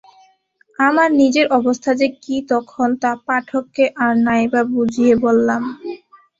আমার নিজের অবস্থা যে কী তখন, তা পাঠককে আর নাই বা বুঝিয়ে বললাম।